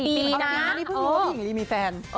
ผมพึ่งคือว่าพี่หญิงลีมีแฟน